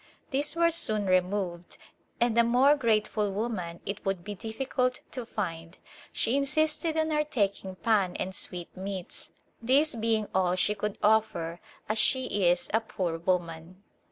These were soon removed and a more grateful woman it would be difficult to find. She insisted on our taking pan and sweetmeats, this being all she could offer as she is a poor woman.